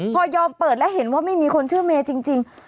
พอยอมเปิดแล้วเห็นว่าไม่มีคนชื่อเมย์จริง